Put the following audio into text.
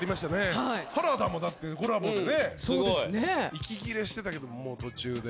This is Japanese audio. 息切れしてたけど途中で。